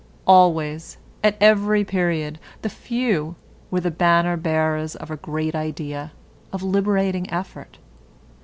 Always, at every period, the few were the banner bearers of a great idea, of liberating effort.